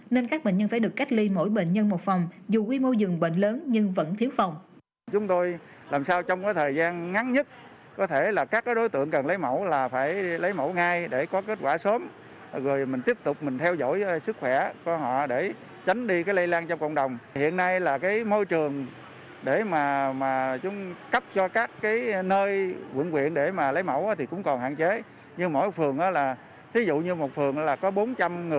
nên các bệnh nhân phải được cách ly mỗi bệnh nhân một phòng dù quy mô dường bệnh lớn nhưng vẫn thiếu phòng